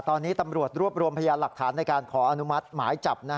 ตอนนี้ตำรวจรวบรวมพยานหลักฐานในการขออนุมัติหมายจับ